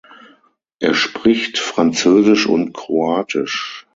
Er spricht Französisch und Kroatisch.